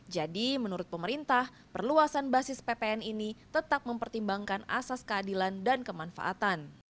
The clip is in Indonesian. jadi menurut pemerintah perluasan basis ppn ini tetap mempertimbangkan asas keadilan dan kemanfaatan